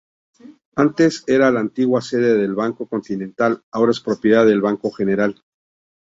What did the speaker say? Antes era la antigua sede del Banco Continental, ahora es propiedad del Banco General.